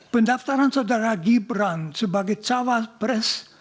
pendaftaran saudara gibran sebagai cawas pres